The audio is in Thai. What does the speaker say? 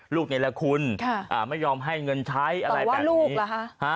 ลูกนี้แหละคุณค่ะอ่าไม่ยอมให้เงินใช้อะไรแบบนี้ต่อว่าลูกหรอฮะ